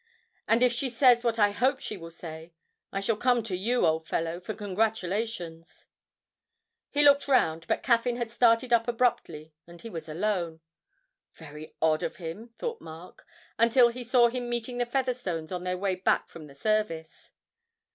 And if she says what I hope she will say, I shall come to you, old fellow, for congratulations.' He looked round, but Caffyn had started up abruptly and he was alone. 'Very odd of him,' thought Mark, until he saw him meeting the Featherstones on their way back from the service.